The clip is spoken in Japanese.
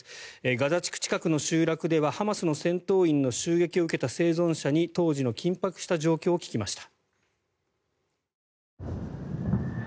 ガザ地区近くの集落ではハマスの戦闘員の襲撃を受けた生存者に当時の緊迫した状況を聞きました。